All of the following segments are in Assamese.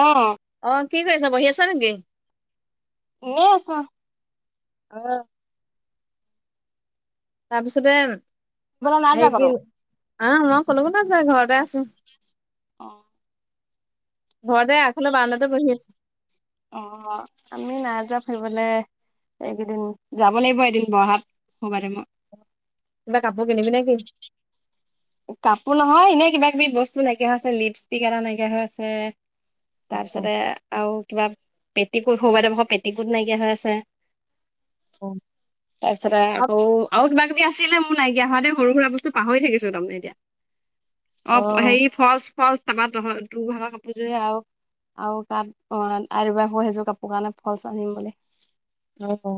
অ অ কি কৰিছা বহি আছা নেকি? এনেই আছো। অ। তাৰপিছতে ফুৰিবলৈ নাই যোৱা হেৰি কতো কি অ মই [unintelligible] আছো ঘৰতে আছো। অ' ঘৰতে আগফালৰ বাৰাণ্ডাতে বহি আছো। অ আমি নাই যোৱা ফুৰিবলে। এইকেইদিন যাব লাগিব এদিন [unintelligible] কিবা কাপোৰ কিনিবি নেকি? কাপোৰ নহয় এনেই কিবা কিবি বস্তু নাইকিয়া হৈ হৈছে লিপষ্টিক এটা নাইকিয়া হৈ আছে, তাৰপিছতে আৰু কিবা পেটিকোত সৰুবাইৰ পেটিকোত নাইকিয়া হৈ আছে, তাৰপিছতে আকৌ আৰু কিবা কিবি আছিলে মোৰ নাইকিয়া হোৱাতে সৰু সুৰা বস্তু পাহৰি থাকিছো তাৰমানে এতিয়া। অ হেৰি ফলচ ফলচ তাৰপা তহ তোৰ ভাগৰ কাপোৰ যোৰে আৰু আৰু [unintelligible] সেইযোৰ কাপোৰ কাৰণে ফলচ আনিম বুলি। অ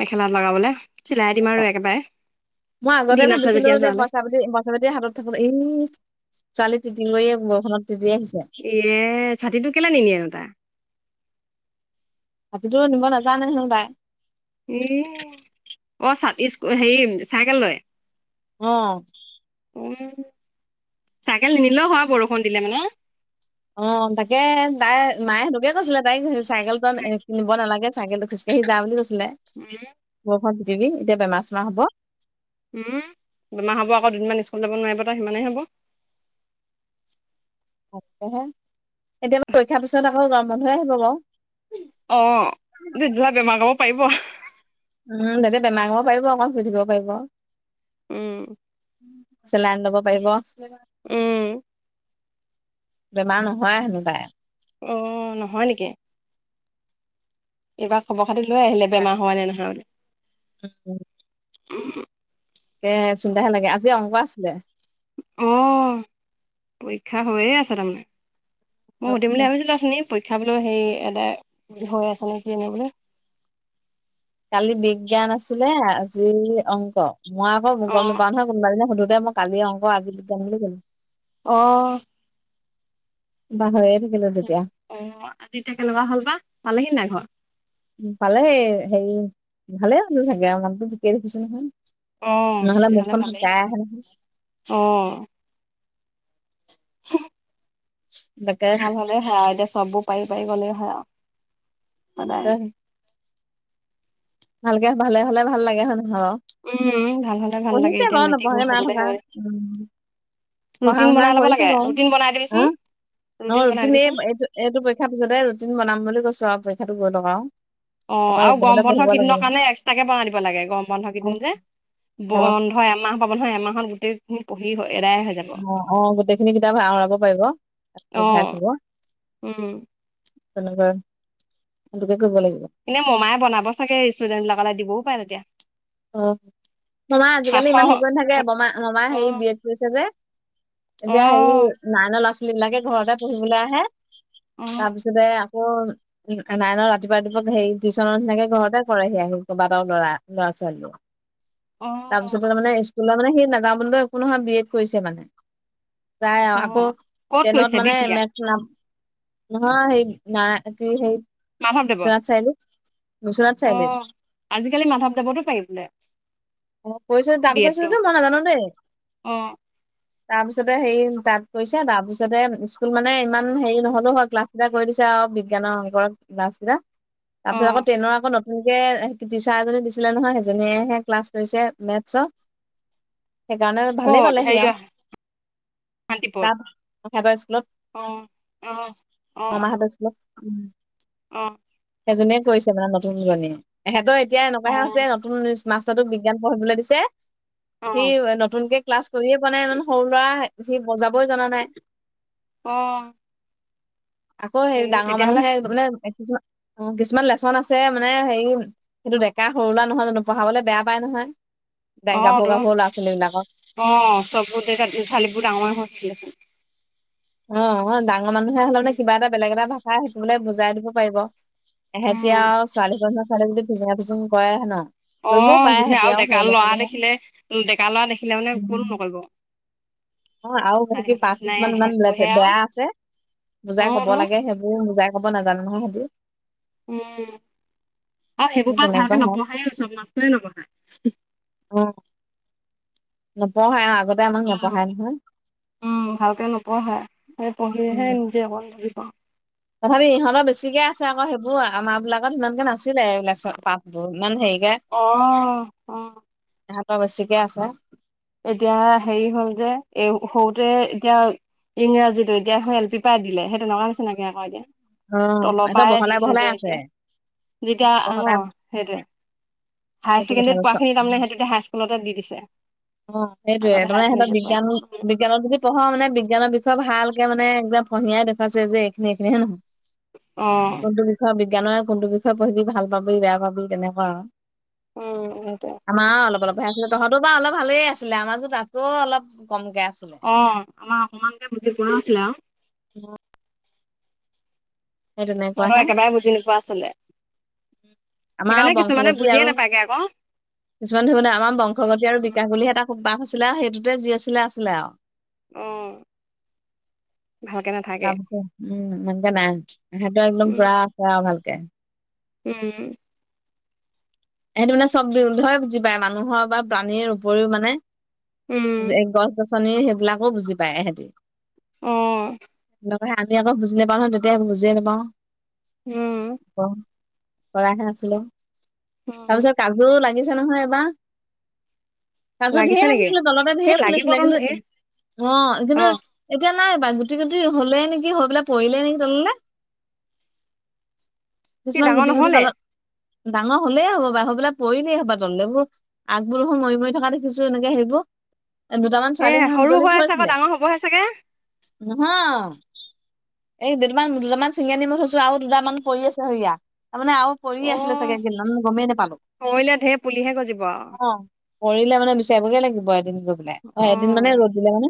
মেখেলাত লগাবলৈ চিলাই দিম আৰু একেবাৰে, মই আগতে দিন আছে ভাবিছিলো যেতিয়া যোৱালে। [unintelligible] হাতত থাকো এইচ ছোৱালী তিতি গৈয়ে বৰখুনত তিতি আহিছে। এ ছাতিটো কেলে নি নিনিয়ে নো তাই? ছাতিটো নিব নাজানে হেন তাই। ইএ অ ছাতি ইছ হেৰি চাইকেল লৈ। অ উ চাইকেল নিনিলেও হয় বৰষুণ দিলে মানে। অ তাকে তাই মায়ে সেইকে কৈছিলে তাইক চাইকেল খন কিনব ব নালাগে চাইকেলে খোজকাঢ়ি যা বুলি কৈছিলে। [unintelligible] বৰষুণত তিতিবি এতিয়া বেমাৰ চেমাৰ হ'ব। বেমাৰ হ'ব আকৌ দুদিনমান স্কুল যাব নোৱাৰিব তাৰ সিমানেই হ'ব। তাকেহে এতিয়া পৰীক্ষাৰ পিছত আকৌ গৰম বন্ধহে আহিব বাৰু। অ [unintelligible] পাৰিব উম তাতে বেমাৰ হ'ব পাৰিব আকৌ শুই পাৰিব। উম। চেলাইন ল'ব পাৰিব। উম বেমাৰ নহয় হেনো তাইৰ। অ নহয় নেকি? এইবাৰ খবৰ খাতি লৈ আহিলে বেমাৰ হোৱা নে নহয় বুলি। উ [unintelligible] তাকে চিন্তাহে লাগে আজি অংক আছিলে। অঁ' পৰীক্ষা হৈয়ে আছে তাৰমানে। মই সুধিম বুলি ভাবিছিলোঁ উঠুনি, পৰীক্ষা বোলো সেই এদায় হৈ আছে নে কি এনে বোলি। কালি বিজ্ঞান আছিলে, আজি অংক মই আকৌ গম অ নপাও নহয়। কোনোবা এজনীয়ে সধোতেই কালি অংক আজি যাম বুলি কলো। অঁ'। পাহৰিয়ে থাকিলো তেতিয়া। অঁ' আজি এতিয়া কেনেুৱা হ'ল বা পালেহি নাই ঘৰ? উম পালেহি, হেৰি ভালে হ'ল চাগে আৰু মানুহতো ঠিকে দেখিছো অ', নহয়। নহ'লে মুখখন শুকাই আহে নহয়। অঁ। [unintelligible] [unintelligible] ভাল হ'লে হয় আৰু এতিয়া চববোৰ পাৰি পাৰি গ'লে হয় আৰু সদায়। ভালকে ভালে হ'লে ভাল লাগে হয় নহয় বাও। উম, ভাল হ'লে ভাল লাগে পঢ়িছে এতিয়া বাৰু মেট্ৰিক নপঢ়াকে নাই হ'বলৈ থকা। হ'লে পঢ়া ৰুটিন শুনা বনাই ল'ব লাগে কৰিছে বাৰু, ৰুটিন বনাই দিবিচোন। অঁ' বনাই ৰুটিন এই দিবিচোন এইটো এইটো পৰীক্ষাৰ পিছতে ৰুটিন বনাম বুলি কৈছো আৰু পৰীক্ষাটো গৈ লগ আৰু। অঁ তাৰপৰা আৰু গৰম ৰুটিনতে বন্ধ পঢ়িব কেইদিনৰ লাগিব কাৰণে এক্সট্ৰাকে বনাই দিব লাগে, গৰম বন্ধ অ কেইদিন যে। অ ব বন্ধ এমাহ পাব নহয়, এমাহত গোটেইখিনি পঢ়ি এদাই হৈ যাব। অঁ অঁ' গোটেইখিনি কিতাপ আওৰাব পাৰিব তাৰ ৰিভাইছ অ', হ'ব। উম। তেনেকুৱাই, সেইটোকে কৰিব লাগিব। এনেই মোমাইে বনাব চাগে ষ্টুডেণ্টবিলাকাললে দিবও পাৰে তেতিয়া। অঁ' মামাই আজিকালি পাঠৰ ইমান হেৰি নাথাকে মামাই হেৰি অ', বিয়েত কৰিছে যে। এতিয়া হেৰি অ', নাইনৰ ল'ৰা-ছোৱালী বিলাকে ঘৰতে পঢ়িবলৈ আহে। অ'। তাৰপিছতে আকৌ উমঁ' নাইনৰ ৰাতিপুৱা ৰাতিপুৱা সেৰি টিউশ্যনৰ নিচিনাকে ঘৰতে কৰেহি আহি কেইবাটাও ল'ৰা, লৰা ছো ৱালীয়ে। অঁ। তাৰপিছতে মানে স্কুলে মানে সি নাজাও বুলি কলেও একো নহয় বি এড কৰিছে মানে। যায় আৰু, অ অ আকৌ ক'ত কৈছে টেনত মানে বিহপুৰীয়া মেটছ নাম নহয় সেই ন কি সেই মাধৱদেৱত বিশ্বনাথ চাৰিআলি, বিশ্বনাথত অ চাৰিআলি। আজিকালি মাধৱদেৱতো পাৰি বোলে। অহ', কৈছে যদি‌ বি তাৰ এডটো পিছত মই নাজানো দেই। অ তাৰপিছতে হেৰি তা'ত গৈছে তাৰপিছতে স্কুল মানে ইমান হেৰি নহ'লেও হয়। ক্লাছ তা'তে কৰি দিছে আৰু বিজ্ঞানৰ, অংকৰ ক্লাছ কেইটা। অ তাৰপিছত আকৌ টেনৰ আকৌ নতুনকে টিচাৰ এজনী দিছিলে নহয়। সেইজনীয়ে'হে ক্লাছ কৰিছে মেথছৰ। সেইকাৰণে ভালেই ক'ত পালে সি হেৰি আৰু। শান্তিপথ তা'ত সিহঁতৰ স্কুলত অ অ মামাহঁতৰ অ। অঁ। সেইজনীয়ে কৈছে মানে নতুন জনী সিহঁতৰ এতিয়া অ এনেকুৱাহে আছে নু- ইংলিছ মাস্তৰটোত বিজ্ঞান পঢ়িবলৈ দিছে। সি নতুনকে ক্লাছ- কৰিয়ে পোৱা নাই মানে সৰু ল'ৰা সি বজাবলৈ জনা নাই। অঁহ। আকৌ হে ডাঙৰ তেতিয়াহ'লে মানুহে মানে কিছুমান অ কিছুমান লেচন আছে মানে হেৰি সেইটো ডেকা সৰু ল'ৰা নহয় জানো। পঢ়াবলে বেয়া পাই নহয় ব অ গাভৰু তো গাভৰু ল'ৰা ছোৱালী বিলাকক। অ চবতে ত ছোৱালীবোৰ ডাঙৰে হৈছিলে চোন অ অ ডাঙৰ মানুহে হ'লে মানে কিবা এটা বেলেগ এটা ভাষা শিকিবলে বুজাই দিব পাৰিব। উম এহেতিয়াও আৰু ছোৱালী ছালে যদি ফিচিঙনা ফিচুং কৰে ন। অ কৰিবও পাৰে যিহে সেহেতি আৰু সৰু ডেকা ল'ৰা ছোৱালীহে দেখিলে ডেকা ল'ৰা দেখিলে মানে কোনো নকৰিব। অ আৰু সেতি ছোৱালীহঁতৰ পাঁচ কিচ নিচিনাই আহে মানমান লে বহে আৰু বেয়া আছে অ বুজাই কব তো লাগে সেইবোৰ বুজাই। কব নাজানে নহয় হেতি। উম আৰু সেইবোৰ সেই পৰা তেনেকুৱা ভালকে হয় নপঢ়ে চব মাষ্টয়ে নপঢ়ায়। উম! নপঢ়ায় আৰু আগতে আমাক নপঢ়াই নহয়। উম ভালকে নপঢ়ায় সেই পঢ়িহে নিজে অকণ বুজি পাওঁ। তথাপি ইহঁতৰ বেছিকে আছে আকৌ সেইবোৰ আমাৰ বিলাকত ইমানকে নাছিলে এইবিলাক পাছবোৰ ইমান হেৰিকে অ অ', ইহঁতৰ বেছিকে আছে। এতিয়া হেৰি হ'ল যে এই সৰুতে এতিয়া ইংৰাজীটো এতিয়া এল পি পৰাই দিলে সেই তেনেকুৱা হৈছে নকে আকৌ এতিয়া। সিহঁতৰ তলৰপাই বহলাই দিছে বহলাই যে আছে এতিয়া যেতিয়া অ বহলাই সেইটোৱে হায় সেইটো কথা ছেকেণ্ডাৰি কৈছ পোৱাখিনি তাৰ মানে সেইটোতে হাই-স্কুলতে দি দিছে। অ সেইটোয়ে আগতে হায়াৰ তাৰানে সিহঁতৰ ছেকেণ্ডেৰীত বিজ্ঞান পোৱা বিজ্ঞানত যদি পঢ় মানে বিজ্ঞানৰ বিষয়ে ভালকে মানে একদম ফহিয়াই দেখুৱাইছে যে এইখিনি এইখিনি হয় নহয়। অ। কোনটো বিষয়ে বিজ্ঞানৰ কোনটো বিষয়ে পঢ়িবি ভাল পাবি বেয়া পাবি তেনেকুৱা আৰু। উম সেইটোৱে। আমাৰও অলপ অলপ হে আছিলে তহঁতোও বা অলপ ভালেই আছিলে আমাৰ চোৱা তাতকৈ অলপ কমকে আছিলে। অ আমাৰ অমকমানকে বুজি পোৱা আছিলে আৰু। সেই তহঁহত তেনেকুৱাহে একেবাৰে বুজি নোপোৱা আছিলে, আমাৰ সেইকাৰণে কিছুমানে বংশগতি আৰু বুজিয়ে নাপাগে আকৌ। কিছুমান ধৰিবে আমাৰ বংশগতি আৰু বিকাশ বুলিহে এটা পাঠ আছিলে আৰু সেইটোতে যি আছিলে আছিলে আৰু। অ ভালকে নাথাকে। তাৰপিছত উম এনেকে নাই সিহঁতৰ একদম উম, পুৰা আছে আৰু ভালকে। উম সেইটো মানে চব বি ধৰ বুজি পায় মানুহৰ বা প্ৰাণীৰ উপৰিও মানে উম, গছ গছনী সেইবিলাকো বুজি পায় এহেতি। অ আকৌ সিহতে আজি বুজিয়ে নাপাওঁ ন তেতিয়া বুজিয়ে নাপাওঁ। উম অ কৰাহে নাছিলো। উম। তাৰপিছত কাজুও লাগিছে নহয় এবাৰ। কাজু লাগিছে ঢেৰ নেকি? লাগিছিলে তলতে এ ঢেৰ লাগিব ফুলিছিলে তন কিন্তু ধেৰ। অ কিন্তু অ', এতিয়া নাই পাই গুটি গুটি হ'লে নেকি হৈ পেলাই পৰিলে নেকি তললে। [inaudible] কিছুমান ডাঙৰ গুটি গুটি নহ'লে? তলত ডাঙৰ হলেই হ'ব পায় হয় পেলাই পৰিলেই হ'ব তললেবোৰ। আগবোৰ দেখোন মৰি মৰি থকা দেখিছো এনেকে সেইবোৰ। দুটামান এ ছোৱালীয়ে সেইদিনাখন সৰু বুটলি হৈ আছে আকৌ থৈইছিলে ডাঙৰ হ'বহে চাগে? নহয়। এই দুটামান দুটামান ছিঙি আনি মই থৈছো, আৰু দুটামান পৰি আছে সেয়া তাৰমানে আৰু পৰি আছিলে অ', চাগে, কেইডালমান মই গমেই নোপালো। সৰিলে ধেৰ পুলিহে গজিব আৰু। অঁ হৰিলে মানে বিচাৰিবগে লাগিব এদিন গৈ। লে, এদিন মানে অ', ৰ'দ দিলে মানে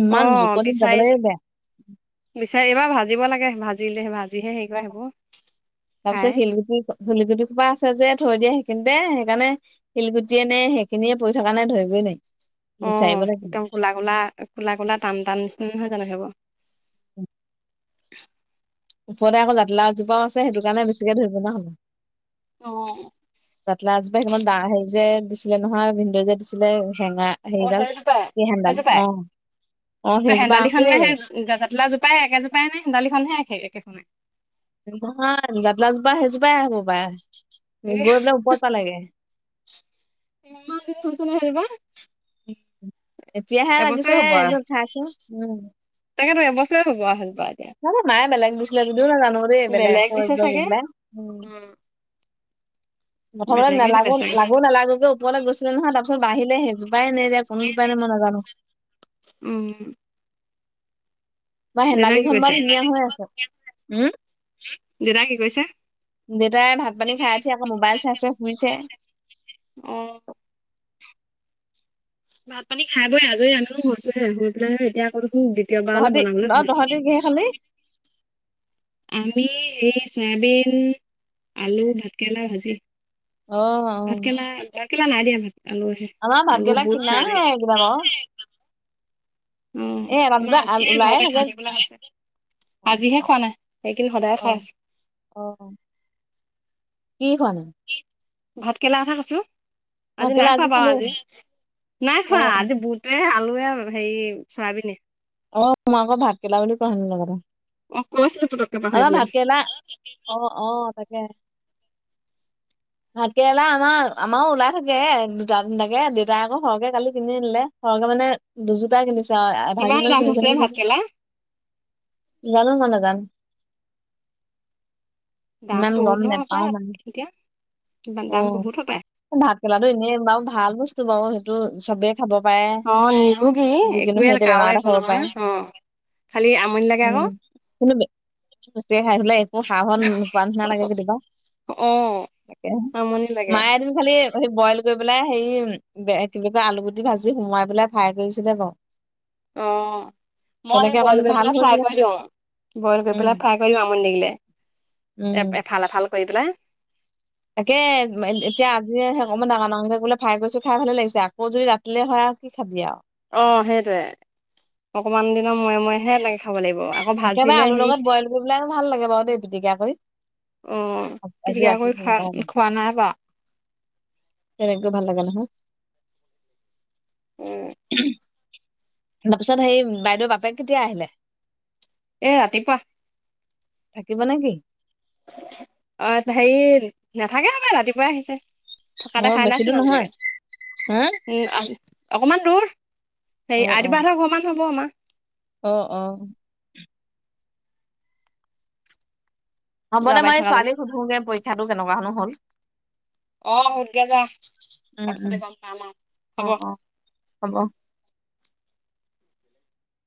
ইমান জুকণিনত যাবলেকে বেয়া। বিচাৰিবা ভাজিব লাগে, ভাজিলে ভাজিহে হেৰি অ কৰে সেইবোৰ। তাৰপিছত খাই। শিলগুটি শিলগুটি সোপা আছে যে থৈ দিয়ে সেইখিনতে সেইকাৰণে শিলগুটিয়ে নে সেইখিনিয়ে পৰি থকা নে ধৰিবই নোৱাৰি বিচাৰিব লাগিব। কোলা কোলা কোলা কোলা টান টান নিচিনা নহয় জানো সেইবোৰ। [inaudible] ওপৰতে আকৌ জাতি লাও এজোপাও আছে, সেইটো কাৰণে বেছিকে ধৰিব নোৱৰা হলো মই। অঁ জাতিলাও এজোপা ইখনত দা হেৰি যে দিছিলে নহয় ভিনদেউ যে দিছিলে, হেঙা অ', সেইডাল সেইজোপাই, কি হেনদালি সেইজোপাই? অঁ, অঁ সেইজোপা হেন্দালিখননে আছেই। সেই জাতিলাও জোপা একেজোপাই নে হেন্দালিনহে একে একেখনেই। নহয় জাতিলাওজোপা সেইজোপাই আগৰ এ পৰাই গৈ পেলাই ওপৰত পালাগে। ইমানদিন হৈছেনে সেইজোপা। এতিয়াহে এবছৰে লাগিছে, এই খাইছো উম। তাকেটো এবছৰে লগোৱা হল প্ৰায়। জানো মাই বেলেগ দিছিলে যদিও নাজানো দেই বেলেগ আকৌ দিছে এইবিলাক লৈ চাগে পেলাই। প্ৰথমতে বেলেগে দিলে নালাগো চাগে লাগো নালাগোকৈ ওপৰলৈ গৈছিলে নহয়, তাৰপিছত বাহিলে সেই জো পাই নে এতিয়া কোন জোপাই নে মই নাজানো। উম। বা দেউতা কি হেন্দালিখন কৰিছে বাৰু ধুনীয়া হৈ আছে, উম দেউতা কি কৰিছে? দেউতাই ভাত পানী খাই উঠি আকৌ মোবাইল চাইছে শুইছে। অ ভাত পানী খাই বৈ আজৰি আনো হৈছো হে, শুই পেলাই এতিয়া আক দেখোন দি তহঁতি ন তহঁতি কিহে খালি? আমি এই চয়াবিন আলু ভাতকেৰেলা ভাজি। অ অ ভাতকেৰেলা ভাতকেৰেলা নাই দিয়া ভাত, আলুহে। আমাৰ আলু ভাতকেৰেলা বুত কিনাহে চয়াবিন। এইকেইটা বাৰু উম, এ এটা দুটা আমাৰ আল- আছেই ওলায়ে ঘৰতে খাঁই থাকে থাকিবলে হৈছে। অ আজিহে খোৱা নাই এইকেদিন সদায় অ খাই আছো। অ কি খোৱা নাই? কি ভাতকেৰেলা কথা কৈছো। আজি ভাতকেৰেলা নাই খোৱা বাৰু খালি আজি, নাই অ অ খোৱা আজি বুত টোৱে আলুৱে হেৰি চয়াবিনে। অ মই আকৌ ভাতকেৰেলা বুলি কোৱা শুনিলো আগতে। গৈছিলোঁ পতকে পাহৰি পেলাই। না অ অ তাকে। [inaudible] ভাতকেৰেলা আমাৰ আমাৰো ওলাই থাকে, দুটা তিনটাকে, দেউতাই মোক সৰহকে কালি কিনি দিলে। সৰহকে মানে, দুজোটাই কিনিছে আৰু কিমান আধাকেজি মান দাম কিনিছে হৈছে নেকি ভাতকেৰেলা কালি। জানো মই নাজানো। দাম ইমান বহুত গ'ম নহয় নেপাওঁ মানে, হপাই এতিয়া দাম উম। বহুত হপায় ভাতকেৰেলাটো এনে বাৰু ভাল বস্তু বাৰু। সেইটো চবে খাব পাৰে। অ নিৰোগী যিকোনো একোৱে হেৰিতে কাৰো বেমাৰতে খাব পাৰে। একো খাব পাৰে। নহয় অ খালি আমনি লাগে উম, আকৌ কিন্তু বেছিকে খাই থাকিলে একো সা - সোৱাদ নোপোৱা নিচিনা লাগে কেতিয়াবা। অ তাকে আমনি লাগে মায়ে এদিন খালি হে বইল কৰি পেলাই হেৰি, কি বুলি কয়? আলুগুটি ভাজি সোমোৱাই পেলাই ফ্ৰাই কৰিছিলে ক '। অঁ। মই সেই তেনেকে অকন বইল কৰি ভাল পেলাই ফ্ৰাই হৈছিলে কৰি খাই। দিওঁ। বইল কৰি উম পেলাই ফ্ৰাই কৰি দিওঁ আমনি লাগিলে। উম এ-এফাল, এফাল কৰি পেলাই। তাকে এ এতিয়া আজিয়েহে অকণমান ডাঙৰ ডাঙকে বোলে ফ্ৰাই কৰিছোঁ, খাই ভালে লাগিছে। আকৌ যদি ৰাত তিলে হয় কি খাবি আও। অঁ, সেইটোৱে। অকমান দিনৰ মুৰে মুৰেহে এনেকে খাব লাগিব আৰু। একেবাৰে আলুৰ লগত বইল কৰি পেলাইও ভাল লাগে বাৰু দেই পিটিকা কৰি। অ আ আজি পিটিকা ৰাতি কৰি খোৱা [unintelligible] খোৱা নাই বাৰু তেনেকো ভাল লাগে নহয়। উম। তাৰপিছত হেৰি, বাইদেউৰ বাপেক কেতিয়া আহিলে? এ ৰাতিপুৱা। থাকিব নেকি? অ' হেৰি, নাথাকে হপাই ৰাতিপুৱাই আহিছে। থকা অ দেখা নাইচোন বেছি দূৰ নাছিলোঁ নহয় আজিলৈকে। হা উম, আ অকণমান দূৰ, হেৰি আইটো বা হঁতৰ ঘৰ মান হ'ব আমাৰ। অঁ, অঁ। হ'ব দে। যোৱাবাৰীত মই এই থকাজনী ছোৱালীক সোধোগে পৰীক্ষাটো কেনেকুৱানো হ'ল। অঁ, সোধগে যা, উম, উম। তাৰপিছতে গম পাম আৰু, অ', হ'ব। অ', হ'ব।